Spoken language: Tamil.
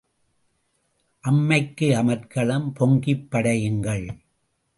அம்மைக்கு அமர்க்களம் பொங்கிப் படையுங்கள்.